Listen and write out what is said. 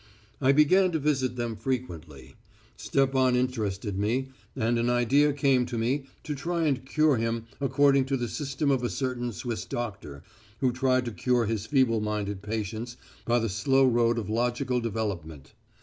"I began to visit them frequently. Stepan interested me, and an idea came to me to try and cure him according to the system of a certain Swiss doctor, who tried to cure his feeble minded patients by the slow road of logical development.